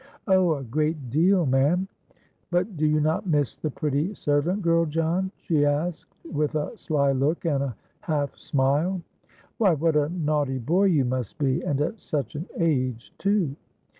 —'Oh! a great deal ma'am.'—'But do you not miss the pretty servant girl, John?' she asked, with a sly look and a half smile. 'Why, what a naughty boy you must be, and at such an age too!'